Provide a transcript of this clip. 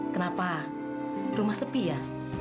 kenapa rumah sepi ya